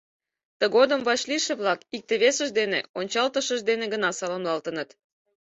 Тыгодым вашлийше-влак икте-весышт дене ончалтышышт дене гына саламлалтыныт.